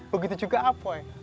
begitu juga apoi